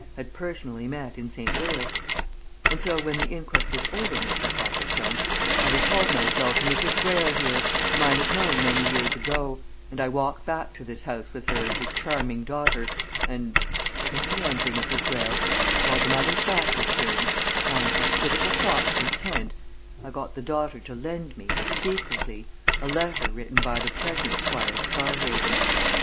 had personally met in St. Louis. And so when the inquest was over, Mr. Copplestone, I recalled myself to Mrs. Greyle here, whom I had known many years ago, and I walked back to this house with her and her charming daughter, and don't be angry, Mrs. Greyle while the mother's back was turned on hospitable thoughts intent I got the daughter to lend me secretly a letter written by the present Squire of Scarhaven.